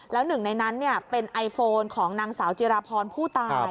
แล้วหนึ่งในนั้นเป็นไอโฟนของนางสาวจิราพรผู้ตาย